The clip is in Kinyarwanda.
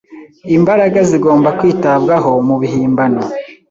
imbaraga zigomba kwitabwaho mubihimbano